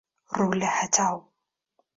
ڕوو لە هەتاو